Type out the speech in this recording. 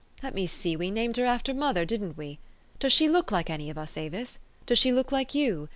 Let me see: we named her after mother, didn't we? Does she look like any of us, Avis? Does she look like you?